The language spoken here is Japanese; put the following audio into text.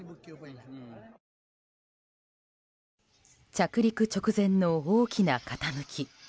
着陸直前の大きな傾き。